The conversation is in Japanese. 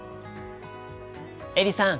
エリさん